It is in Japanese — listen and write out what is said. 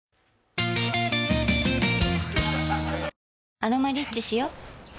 「アロマリッチ」しよ